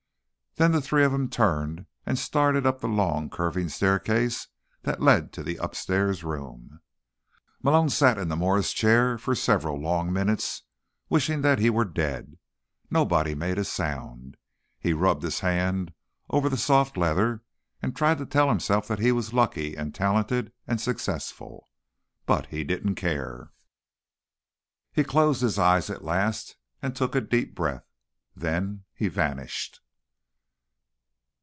Then the three of them turned and started up the long, curving staircase that led to the upstairs rooms. Malone sat in the Morris chair for several long minutes, wishing that he were dead. Nobody made a sound. He rubbed his hands over the soft leather and tried to tell himself that he was lucky, and talented, and successful. But he didn't care. He closed his eyes at last, and took a deep breath. Then he vanished.